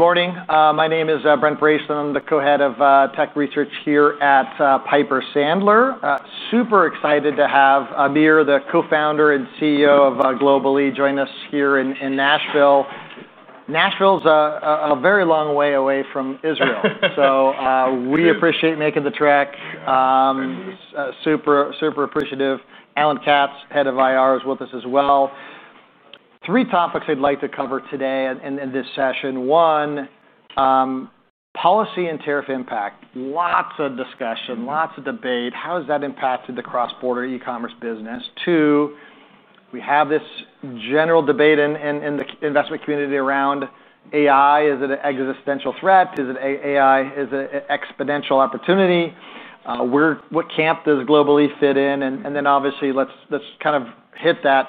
Good morning. My name is Brent Brayson. I'm the Co-Head of Tech Research here at Piper Sandler. Super excited to have Amir, the Co-Founder and CEO of Global-e Online Ltd, join us here in Nashville. Nashville is a very long way away from Israel. We appreciate making the trek. Super, super appreciative. Alan Katz, Head of Investor Relations, is with us as well. Three topics I'd like to cover today in this session. One, policy and tariff impact. Lots of discussion, lots of debate. How has that impacted the cross-border e-commerce business? Two, we have this general debate in the investment community around AI. Is it an existential threat? Is it AI? Is it an exponential opportunity? What camp does Global-e Online Ltd fit in? Obviously, let's kind of hit that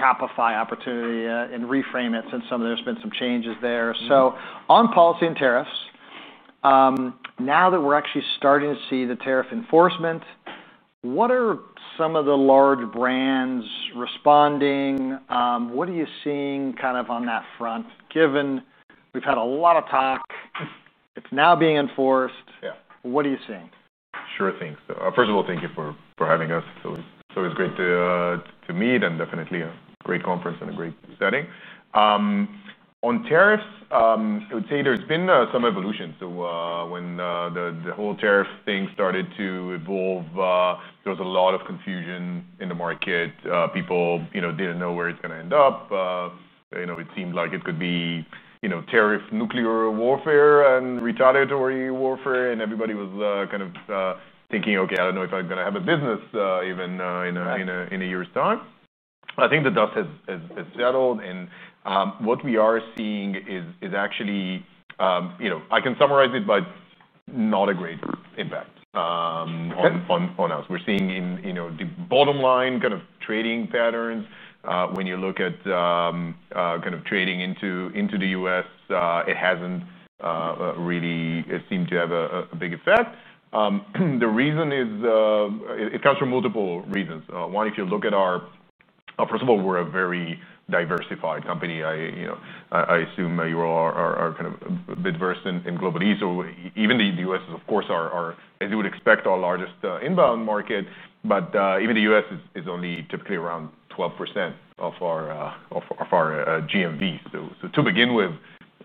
Shopify opportunity and reframe it since there's been some changes there. On policy and tariffs, now that we're actually starting to see the tariff enforcement, what are some of the large brands responding? What are you seeing kind of on that front given? We've had a lot of talk, it's now being enforced. What are you seeing? Sure thing. First of all, thank you for having us. It's always great to meet and definitely a great conference and a great setting. On tariffs, I would say there's been some evolution. When the whole tariff thing started to evolve, there was a lot of confusion in the market. People didn't know where it's going to end up. It seemed like it could be tariff nuclear warfare and retaliatory warfare. Everybody was kind of thinking, OK, I don't know if I'm going to have a business even in a year's time. I think the dust has settled. What we are seeing is actually, I can summarize it, but it's not a great impact on us. We're seeing the bottom line kind of trading patterns. When you look at kind of trading into the U.S., it hasn't really seemed to have a big effect. The reason is it comes from multiple reasons. One, if you look at our, first of all, we're a very diversified company. I assume you all are kind of a bit versed in Global-e Online Ltd. Even the U.S. is, of course, as you would expect, our largest inbound market. Even the U.S. is only typically around 12% of our GMV. To begin with,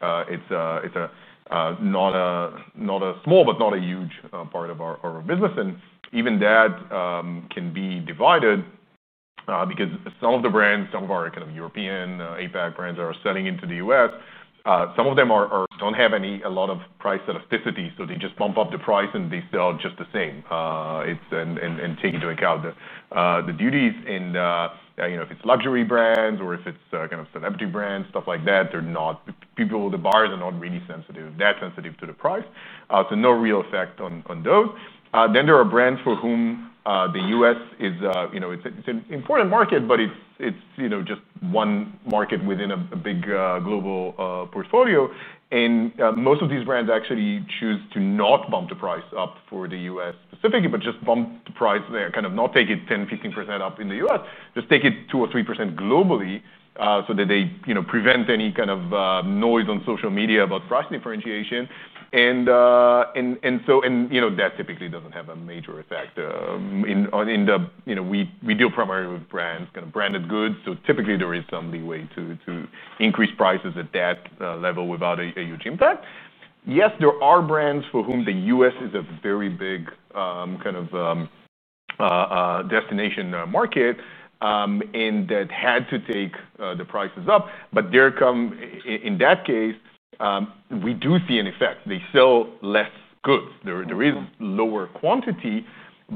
it's not a small but not a huge part of our business. Even that can be divided because some of the brands, some of our kind of European APAC brands that are selling into the U.S., some of them don't have a lot of price elasticity. They just bump up the price and they sell just the same. They take into account. If it's luxury brands or if it's kind of celebrity brands, stuff like that, people the buyers are not really that sensitive to the price. No real effect on those. Then there are brands for whom the U.S. is, it's an important market, but it's just one market within a big global portfolio. Most of these brands actually choose to not bump the price up for the U.S. Specifically but just bump the price there, kind of not take it 10%, 15% up in the U.S., just take it 2% or 3% globally so that they prevent any kind of noise on social media about price differentiation. That typically doesn't have a major effect. We deal primarily with brands, kind of branded goods. Typically, there is some leeway to increase prices at that level without a huge impact. Yes, there are brands for whom the U.S. is a very big kind of destination market and that had to take the prices up. In that case, we do see an effect. They sell less goods. There is lower quantity,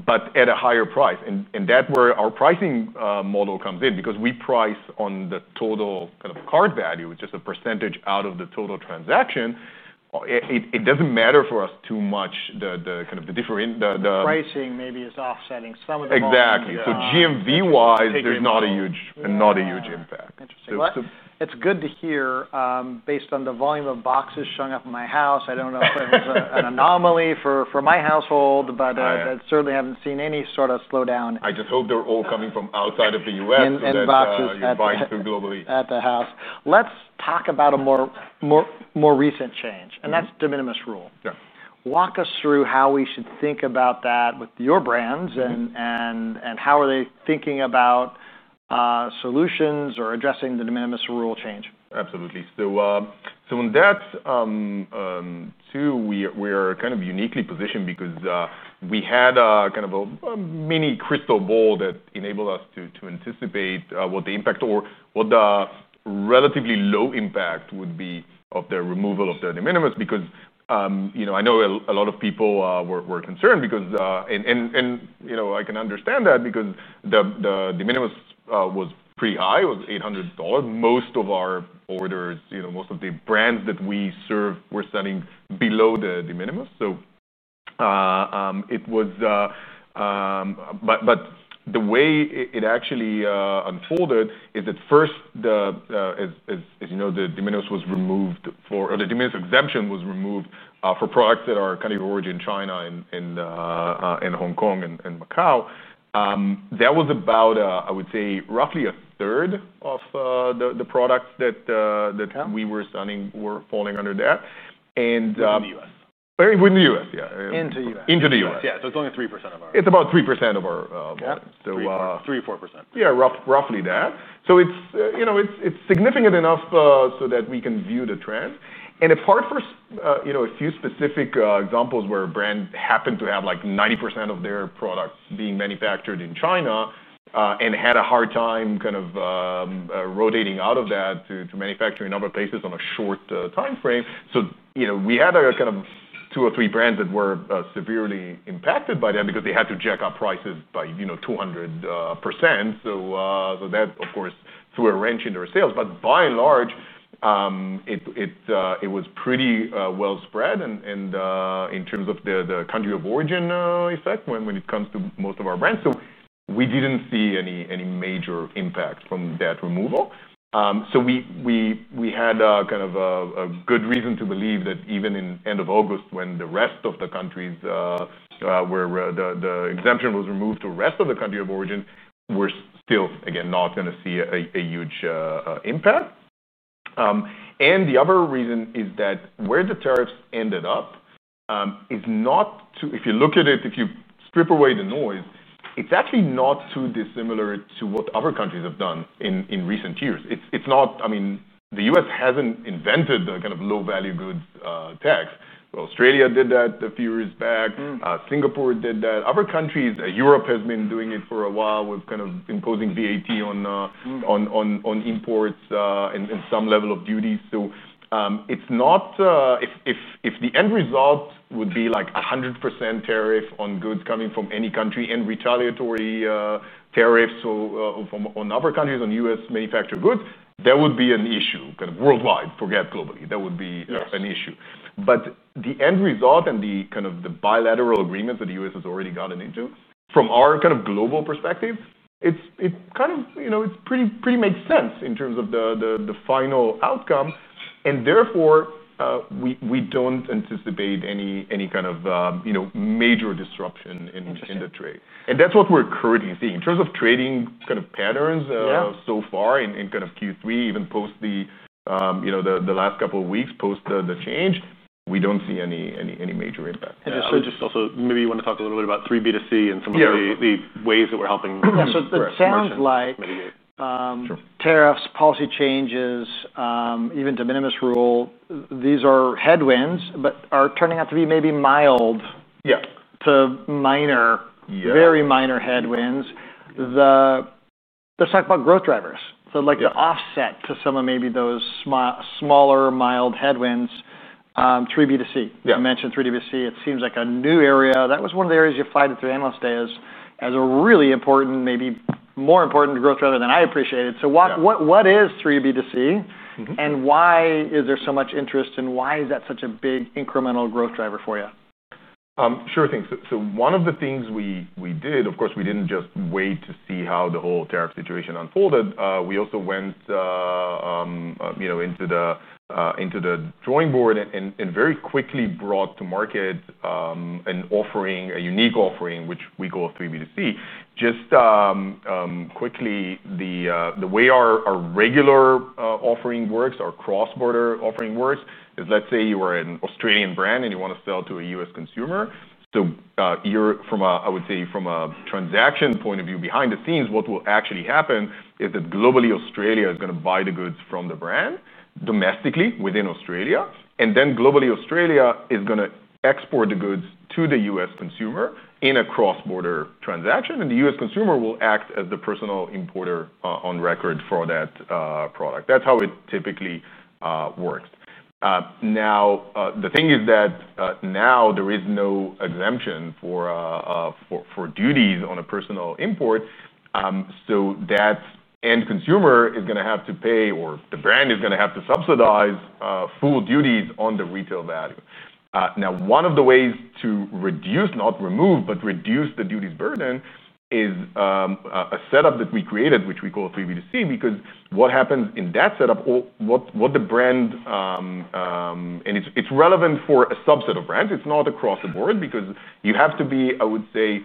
but at a higher price. That's where our pricing model comes in, because we price on the total kind of cart value, which is a percentage out of the total transaction. It doesn't matter for us too much, the kind of the different. Pricing maybe is offsetting some of the. Exactly. GMV-wise, there's not a huge impact. Interesting. That's good to hear. Based on the volume of boxes showing up in my house, I don't know if it's an anomaly for my household, but I certainly haven't seen any sort of slowdown. I just hope they're all coming from outside of the U.S. And boxes. Boxes to Global-e. Let's talk about a more recent change. That's the de minimis rule. Walk us through how we should think about that with your brands and how are they thinking about solutions or addressing the de minimis rule change. Absolutely. On that, too, we are kind of uniquely positioned because we had kind of a mini crystal ball that enabled us to anticipate what the impact or what the relatively low impact would be of the removal of the de minimis. I know a lot of people were concerned, and I can understand that because the de minimis was pretty high. It was $800. Most of our orders, most of the brands that we serve, were selling below the de minimis. The way it actually unfolded is that first, as you know, the de minimis was removed for, or the de minimis exemption was removed for products that are kind of origin China and Hong Kong and Macau. That was about, I would say, roughly a third of the products that we were selling were falling under that. In the U.S.? In the U.S., yeah. Into the U.S. Into the U.S. Yeah, so it's only 3% of our. It's about 3% of our market. 3% or 4%. Yeah, roughly that. It's significant enough so that we can view the trends. It's hard for a few specific examples where a brand happened to have like 90% of their product being manufactured in China and had a hard time kind of rotating out of that to manufacture in other places on a short time frame. We had two or three brands that were severely impacted by that because they had to jack up prices by 200%. That, of course, threw a wrench into our sales. By and large, it was pretty well spread in terms of the country of origin effect when it comes to most of our brands. We didn't see any major impact from that removal. We had a good reason to believe that even in the end of August, when the rest of the countries where the exemption was removed to the rest of the country of origin, we're still, again, not going to see a huge impact. The other reason is that where the tariffs ended up is not, if you look at it, if you strip away the noise, it's actually not too dissimilar to what other countries have done in recent years. The U.S. hasn't invented the kind of low-value goods tax. Australia did that a few years back. Singapore did that. Other countries, Europe has been doing it for a while with imposing VAT on imports and some level of duties. If the end result would be like 100% tariff on goods coming from any country and retaliatory tariffs on other countries on U.S. manufactured goods, that would be an issue worldwide. Forget Global-e Online Ltd. That would be an issue. The end result and the kind of bilateral agreements that the U.S. has already gotten into, from our global perspective, it pretty much makes sense in terms of the final outcome. Therefore, we don't anticipate any kind of major disruption in the trade. That's what we're currently seeing. In terms of trading patterns so far in Q3, even post the last couple of weeks post the change, we don't see any major impact. I should just also maybe want to talk a little bit about 3B2C and some of the ways that we're helping the clients. Yeah, it sounds like. 3B2C, tariffs, policy changes, even de minimis rule, these are headwinds, but are turning out to be maybe mild to minor, very minor headwinds. Let's talk about growth drivers. Like the offset to some of maybe those smaller, mild headwinds, 3B2C. You mentioned 3B2C. It seems like a new area. That was one of the areas you flagged it through Analysts Day as a really important, maybe more important growth driver than I appreciated. What is 3B2C? Why is there so much interest? Why is that such a big incremental growth driver for you? Sure thing. One of the things we did, of course, we didn't just wait to see how the whole tariff situation unfolded. We also went into the drawing board and very quickly brought to market an offering, a unique offering, which we call 3B2C. Just quickly, the way our regular offering works, our cross-border offering works, is let's say you are an Australian brand and you want to sell to a U.S. consumer. From a transaction point of view behind the scenes, what will actually happen is that Global-e Australia is going to buy the goods from the brand domestically within Australia, and then Global-e Australia is going to export the goods to the U.S. consumer in a cross-border transaction. The U.S. consumer will act as the personal importer on record for that product. That's how it typically works. The thing is that now there is no exemption for duties on a personal import, so that end consumer is going to have to pay, or the brand is going to have to subsidize, full duties on the retail value. One of the ways to reduce, not remove, but reduce the duties burden is a setup that we created, which we call 3B2C. What happens in that setup, what the brand, and it's relevant for a subset of brands. It's not across the board because you have to be, I would say,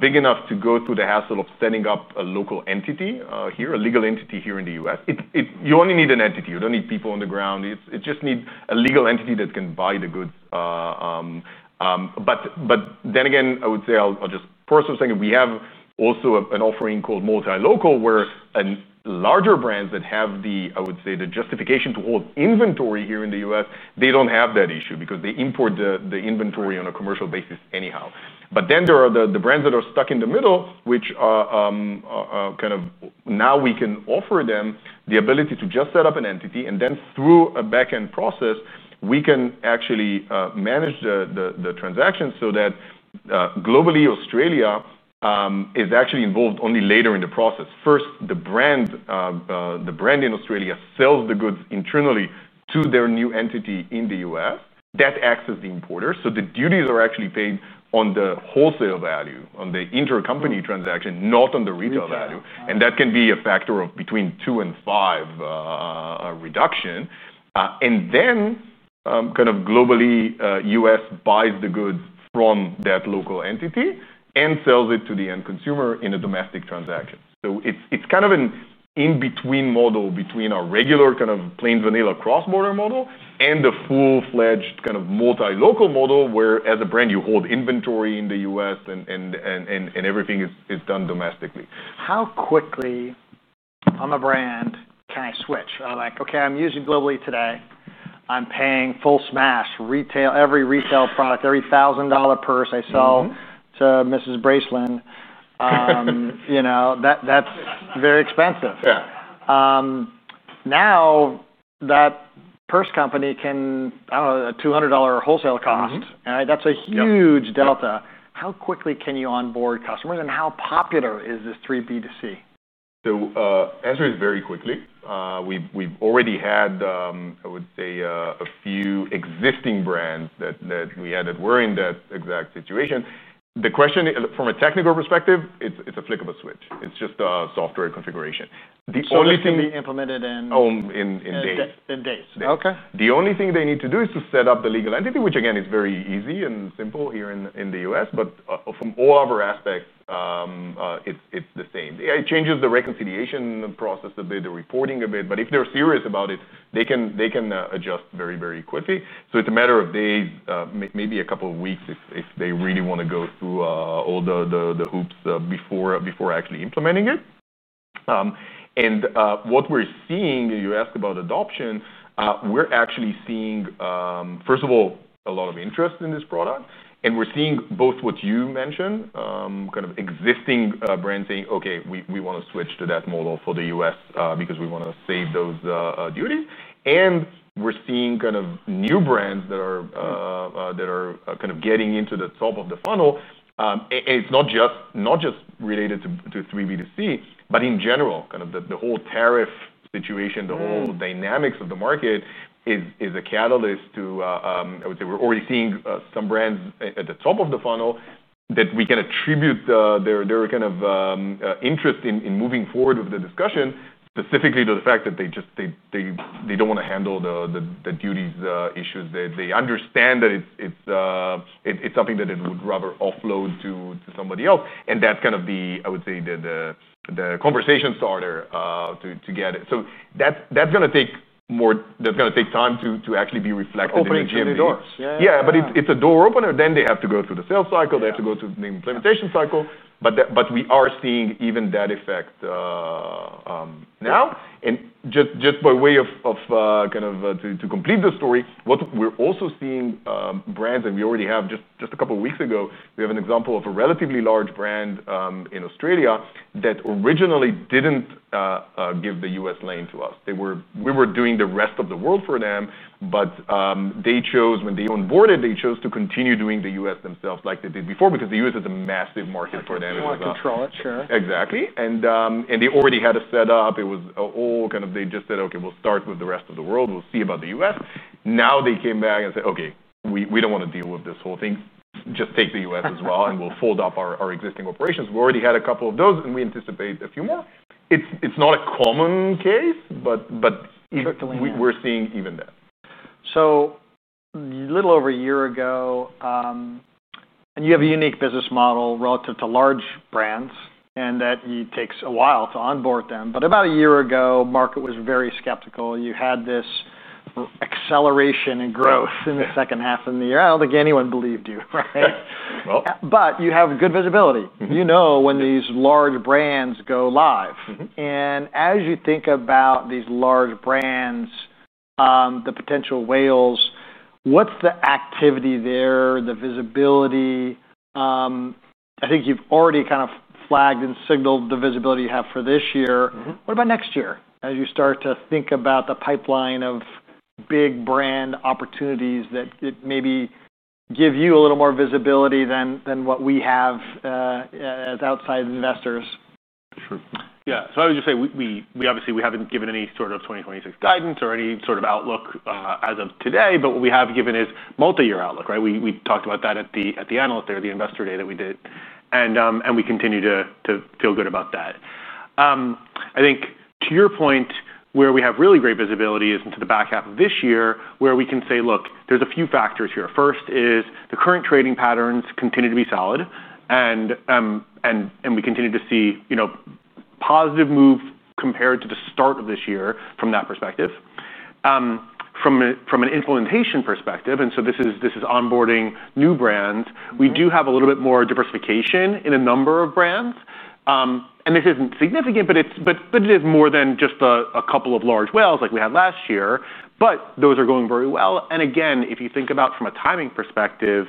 big enough to go through the hassle of setting up a local entity here, a legal entity here in the U.S. You only need an entity. You don't need people on the ground. You just need a legal entity that can buy the goods. I would say, just for a second, we have also an offering called multi-local where larger brands that have the justification to hold inventory here in the U.S., they don't have that issue because they import the inventory on a commercial basis anyhow. There are the brands that are stuck in the middle, which are kind of now we can offer them the ability to just set up an entity. Through a backend process, we can actually manage the transaction so that Global-e Australia is actually involved only later in the process. First, the brand in Australia sells the goods internally to their new entity in the U.S. That acts as the importer, so the duties are actually paid on the wholesale value, on the intercompany transaction, not on the retail value. That can be a factor of between 2% and 5% reduction. Global-e Online Ltd U.S. buys the goods from that local entity and sells it to the end consumer in a domestic transaction. It's kind of an in-between model between our regular plain vanilla cross-border model and the full-fledged multi-local model where, as a brand, you hold inventory in the U.S. and everything is done domestically. How quickly on the brand can I switch? I'm like, OK, I'm using Global-e today. I'm paying full smash, every retail product, every $1,000 purse I sell to Mrs. Braceland. That's very expensive. Now that purse company can, I don't know, a $200 wholesale cost. That's a huge delta. How quickly can you onboard customers? How popular is this 3B2C? The answer is very quickly. We've already had, I would say, a few existing brands that we had that were in that exact situation. The question from a technical perspective, it's a flick of a switch. It's just a software configuration. It's already implemented in. In days. In days. OK. The only thing they need to do is to set up the legal entity, which again is very easy and simple here in the U.S. From all other aspects, it's the same. It changes the reconciliation process a bit, the reporting a bit. If they're serious about it, they can adjust very, very quickly. It's a matter of days, maybe a couple of weeks if they really want to go through all the hoops before actually implementing it. You asked about adoption. We're actually seeing, first of all, a lot of interest in this product. We're seeing both what you mentioned, kind of existing brands saying, OK, we want to switch to that model for the U.S. because we want to save those duties. We're seeing kind of new brands that are kind of getting into the top of the funnel. It's not just related to 3B2C, but in general, kind of the whole tariff situation, the whole dynamics of the market is a catalyst to, I would say we're already seeing some brands at the top of the funnel that we can attribute their kind of interest in moving forward with the discussion, specifically to the fact that they just, they don't want to handle the duties issues. They understand that it's something that they would rather offload to somebody else. That's kind of the, I would say, the conversation starter to get it. That's going to take more, that's going to take time to actually be reflected. Opening some doors. Yeah, it's a door opener. They have to go through the sales cycle. They have to go through the implementation cycle. We are seeing even that effect now. Just by way of kind of to complete the story, what we're also seeing is brands, and we already have just a couple of weeks ago, we have an example of a relatively large brand in Australia that originally didn't give the U.S. lane to us. We were doing the rest of the world for them. They chose, when they onboarded, to continue doing the U.S. themselves like they did before because the U.S. is a massive market for them. They want to control it, sure. Exactly. They already had a setup. It was all kind of, they just said, OK, we'll start with the rest of the world. We'll see about the U.S. Now they came back and said, OK, we don't want to deal with this whole thing. Just take the U.S. as well. We'll fold up our existing operations. We already had a couple of those, and we anticipate a few more. It's not a common case, but we're seeing even that. A little over a year ago, you have a unique business model relative to large brands in that it takes a while to onboard them. About a year ago, the market was very skeptical. You had this acceleration in growth in the second half of the year. I don't think anyone believed you, right? Well. You have good visibility. You know when these large brands go live. As you think about these large brands, the potential whales, what's the activity there, the visibility? I think you've already kind of flagged and signaled the visibility you have for this year. What about next year as you start to think about the pipeline of big brand opportunities that maybe give you a little more visibility than what we have as outside investors? Sure. Yeah. I would just say, we obviously haven't given any sort of 2026 guidance or any sort of outlook as of today. What we have given is multi-year outlook, right? We talked about that at the analyst day, or the investor day that we did. We continue to feel good about that. I think to your point, where we have really great visibility is into the back half of this year, where we can say, look, there's a few factors here. First is the current trading patterns continue to be solid. We continue to see positive moves compared to the start of this year from that perspective. From an implementation perspective, and this is onboarding new brands, we do have a little bit more diversification in a number of brands. This isn't significant, but it is more than just a couple of large whales like we had last year. Those are going very well. If you think about from a timing perspective,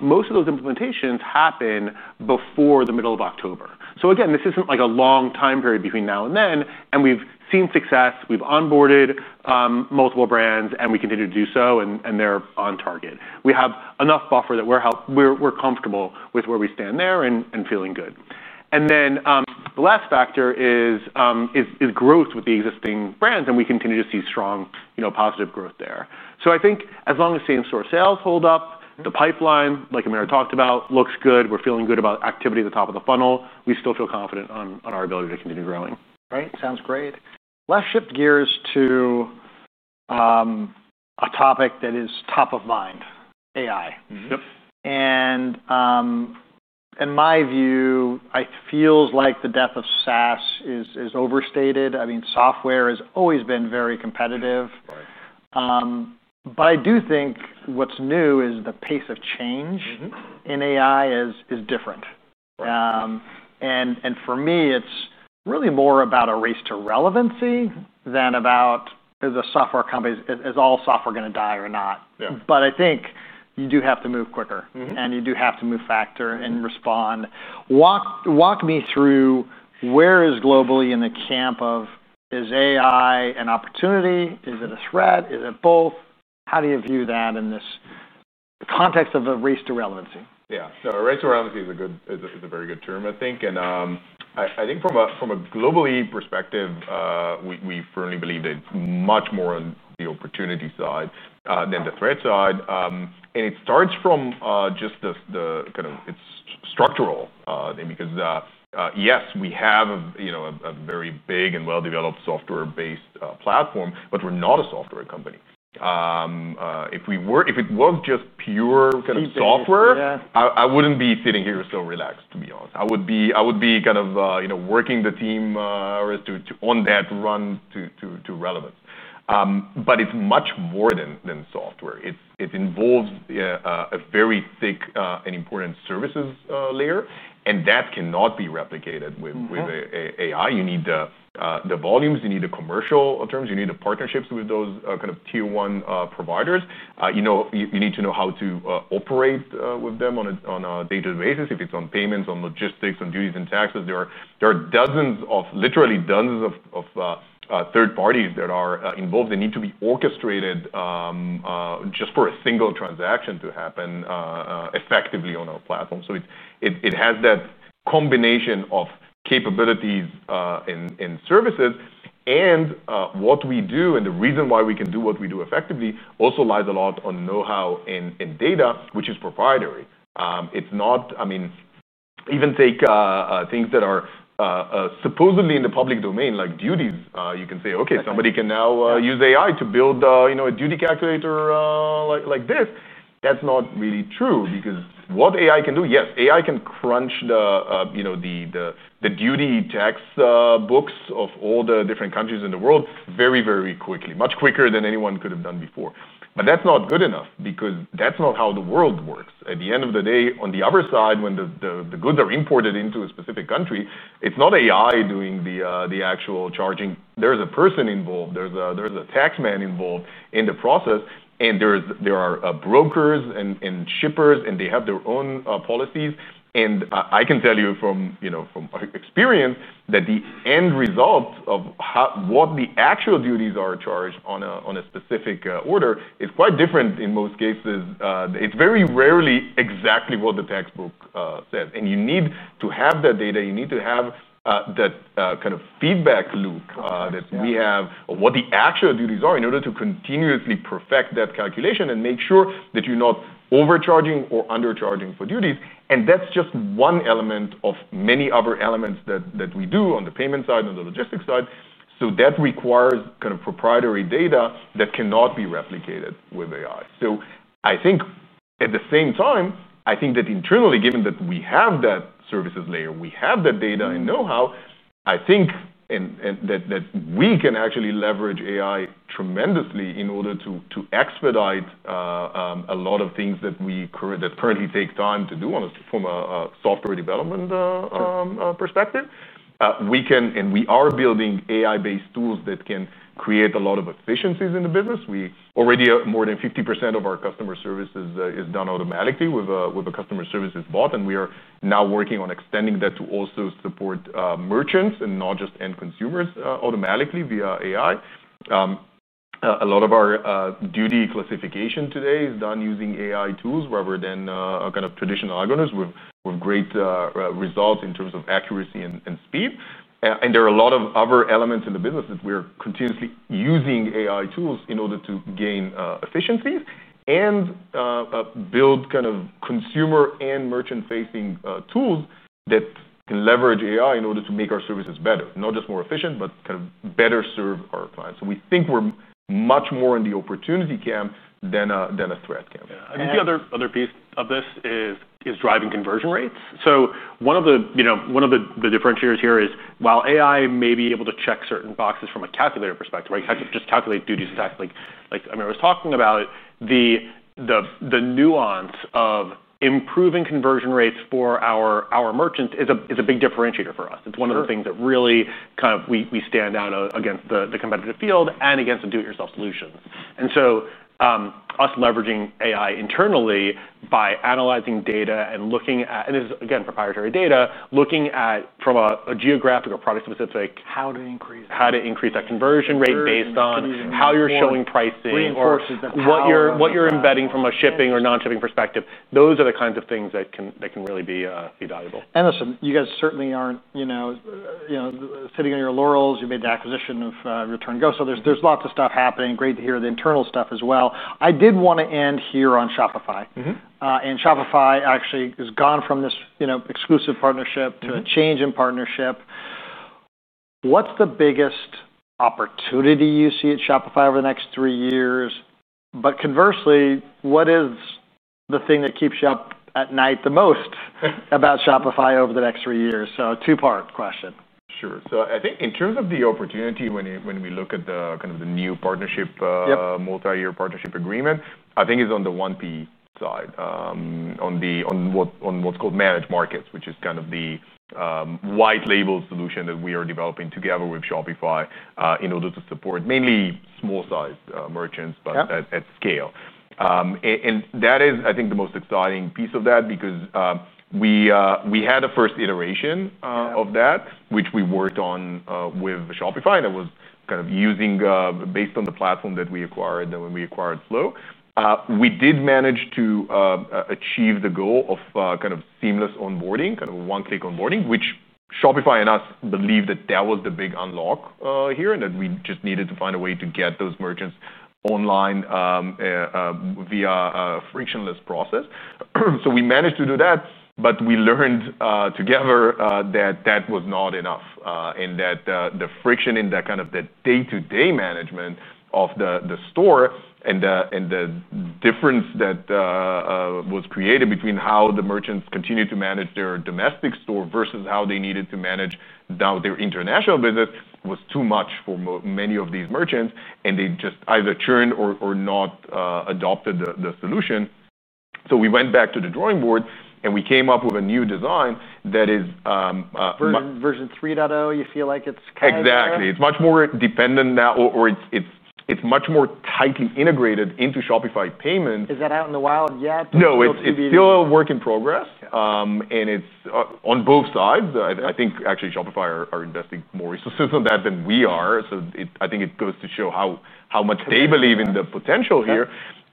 most of those implementations happen before the middle of October. This isn't like a long time period between now and then. We've seen success. We've onboarded multiple brands. We continue to do so. They're on target. We have enough buffer that we're comfortable with where we stand there and feeling good. The last factor is growth with the existing brands. We continue to see strong positive growth there. I think as long as same-store sales hold up, the pipeline, like Amir talked about, looks good. We're feeling good about activity at the top of the funnel. We still feel confident on our ability to continue growing. Right. Sounds great. Let's shift gears to a topic that is top of mind, AI. Yep. In my view, it feels like the death of SaaS is overstated. I mean, software has always been very competitive. I do think what's new is the pace of change in AI is different. For me, it's really more about a race to relevancy than about, is the software companies, is all software going to die or not? I think you do have to move quicker. You do have to move faster and respond. Walk me through where is Global-e in the camp of, is AI an opportunity? Is it a threat? Is it a pull? How do you view that in this context of the race to relevancy? Yeah. A race to relevancy is a very good term, I think. I think from a Global-e Online Ltd perspective, we firmly believe that it's much more on the opportunity side than the threat side. It starts from just the kind of, it's a structural thing because, yes, we have a very big and well-developed software-based platform. We're not a software company. If it was just pure kind of software, I wouldn't be sitting here so relaxed, to be honest. I would be kind of working the team on that run to relevance. It's much more than software. It involves a very thick and important service layer. That cannot be replicated with AI. You need the volumes. You need the commercial terms. You need the partnerships with those kind of tier one providers. You need to know how to operate with them on a day-to-day basis. If it's on payments, on logistics, on duties and taxes, there are dozens of, literally dozens of third parties that are involved. They need to be orchestrated just for a single transaction to happen effectively on our platform. It has that combination of capabilities and services. What we do, and the reason why we can do what we do effectively, also lies a lot on know-how and data, which is proprietary. It's not, I mean, even take things that are supposedly in the public domain, like duties. You can say, OK, somebody can now use AI to build a duty calculator like this. That's not really true because what AI can do, yes, AI can crunch the duty tax books of all the different countries in the world very, very quickly, much quicker than anyone could have done before. That's not good enough because that's not how the world works. At the end of the day, on the other side, when the goods are imported into a specific country, it's not AI doing the actual charging. There's a person involved. There's a tax man involved in the process. There are brokers and shippers. They have their own policies. I can tell you from experience that the end result of what the actual duties are charged on a specific order is quite different in most cases. It's very rarely exactly what the textbook says. You need to have that data. You need to have that kind of feedback loop that we have of what the actual duties are in order to continuously perfect that calculation and make sure that you're not overcharging or undercharging for duties. That's just one element of many other elements that we do on the payment side, on the logistics side. That requires kind of proprietary data that cannot be replicated with AI. At the same time, I think that internally, given that we have that service layer, we have that data and know-how, I think that we can actually leverage AI tremendously in order to expedite a lot of things that currently take time to do from a software development perspective. We are building AI-based tools that can create a lot of efficiencies in the business. We already have more than 50% of our customer services done automatically with a customer service bot. We are now working on extending that to also support merchants and not just end consumers automatically via AI. A lot of our duty classification today is done using AI tools rather than traditional algorithms, with great results in terms of accuracy and speed. There are a lot of other elements in the business that we are continuously using AI tools in order to gain efficiencies and build consumer and merchant-facing tools that can leverage AI in order to make our services better, not just more efficient, but better serve our clients. We think we're much more in the opportunity camp than a threat camp. Yeah. I think the other piece of this is driving conversion rates. One of the differentiators here is, while AI may be able to check certain boxes from a calculator perspective, right, just calculate duties tax like Amir was talking about, the nuance of improving conversion rates for our merchants is a big differentiator for us. It's one of the things that really kind of we stand out against the competitive field and against the do-it-yourself solutions. Us leveraging AI internally by analyzing data and looking at, and this is again proprietary data, looking at from a geographical product specific, how to increase that conversion rate based on how you're showing pricing, what you're embedding from a shipping or non-shipping perspective. Those are the kinds of things that can really be valuable. Listen, you guys certainly aren't sitting on your laurels. You made the acquisition of Return Go. There's lots of stuff happening. Great to hear the internal stuff as well. I did want to end here on Shopify. Shopify actually has gone from this exclusive partnership to a change in partnership. What's the biggest opportunity you see at Shopify over the next three years? Conversely, what is the thing that keeps you up at night the most about Shopify over the next three years? A two-part question. Sure. I think in terms of the opportunity, when we look at the kind of the new partnership, multi-year partnership agreement, I think it's on the 1P side, on what's called managed markets, which is kind of the white label solution that we are developing together with Shopify in order to support mainly small-sized merchants, but at scale. That is, I think, the most exciting piece of that because we had a first iteration of that, which we worked on with Shopify. It was kind of using based on the platform that we acquired when we acquired Flow. We did manage to achieve the goal of kind of seamless onboarding, kind of a one-click onboarding, which Shopify and us believe that that was the big unlock here, and that we just needed to find a way to get those merchants online via a frictionless process. We managed to do that. We learned together that that was not enough and that the friction in that kind of the day-to-day management of the store and the difference that was created between how the merchants continue to manage their domestic store versus how they needed to manage now their international business was too much for many of these merchants. They just either churned or not adopted the solution. We went back to the drawing board. We came up with a new design that is. Version 3.0, you feel like it's kind of. Exactly. It's much more dependent now, or it's much more tightly integrated into Shopify Payments. Is that out in the wild yet? No, it's still a work in progress. It's on both sides. I think actually Shopify are investing more resources on that than we are. I think it goes to show how much they believe in the potential here.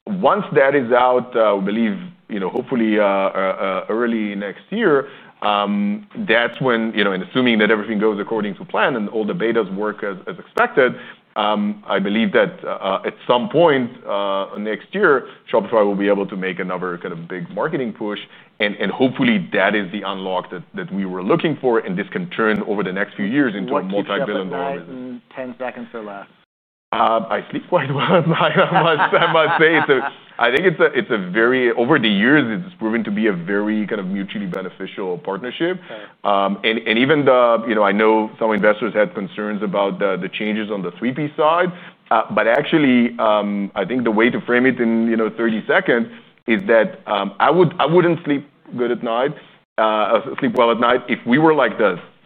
Once that is out, I believe, hopefully early next year, that's when, assuming that everything goes according to plan and all the betas work as expected, I believe that at some point next year, Shopify will be able to make another kind of big marketing push. Hopefully, that is the unlock that we were looking for. This can turn over the next few years into a multi-billion dollar business. 10 seconds or less. I sleep quite well, I must say. I think it's a very, over the years, it's proven to be a very kind of mutually beneficial partnership. Even I know some investors had concerns about the changes on the 3P side. Actually, I think the way to frame it in 30 seconds is that I wouldn't sleep well at night if we were like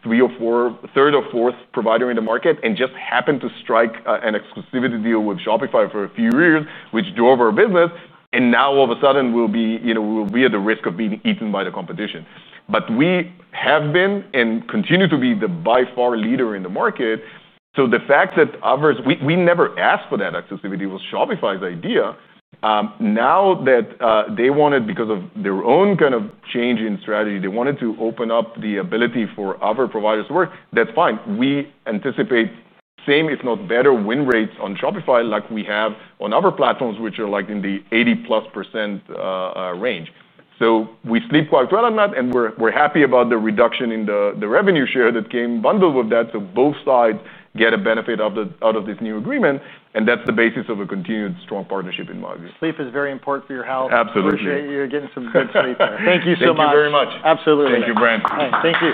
the third or fourth provider in the market and just happened to strike an exclusivity deal with Shopify for a few years, which drove our business. Now all of a sudden, we'd be at the risk of being eaten by the competition. We have been and continue to be by far the leader in the market. The fact that others, we never asked for that exclusivity, was Shopify's idea. Now that they wanted, because of their own kind of change in strategy, they wanted to open up the ability for other providers to work, that's fine. We anticipate same, if not better, win rates on Shopify like we have on other platforms, which are like in the 80%+ range. We sleep quite well at night. We're happy about the reduction in the revenue share that came bundled with that. Both sides get a benefit out of this new agreement. That's the basis of a continued strong partnership in my view. Sleep is very important for your health. Absolutely. I appreciate you getting some good sleep there. Thank you so much. Thank you very much. Absolutely. Thank you, Brent. All right. Thank you.